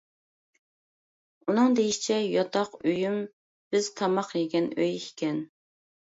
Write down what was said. ئۇنىڭ دېيىشىچە، ياتاق ئۆيۈم بىز تاماق يېگەن ئۆي ئىكەن.